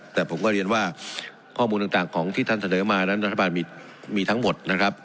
แต่ผมก็เรียนว่าข้อมูลต่างของที่ท่านเสนอมานั้นรัฐบาลมีทั้งหมดนะครับ